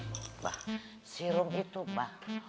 mbah si rom itu mbah